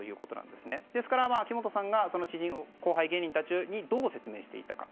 ですから木本さんが知人を後輩芸人たちにどう説明していたか。